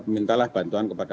mintalah bantuan kepada